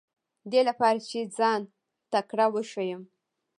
دې لپاره چې ځان تکړه وښیم.